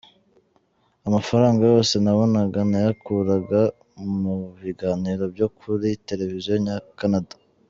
Amafaranga yose nabonaga nayakuraga mu biganiro byo kuri televiziyo ya Canada.